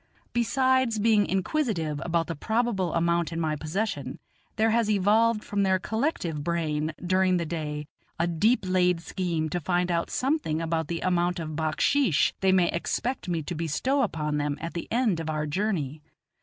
Besides being inquisitive about the probable amount in my possession, there has evolved from their collective brain during the day, a deep laid scheme to find out something about the amount of backsheesh they may expect me to bestow upon them at the end of our journey.